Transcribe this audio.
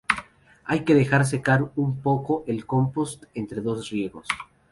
Hay que dejar secar un poco el compost entre dos riegos.